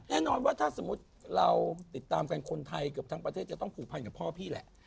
แน่นอนว่าถ้าสมมุติเราติดตามกันคนไทยเกือบทั้งประเทศจะต้องผูกพันกับพ่อพี่แหละ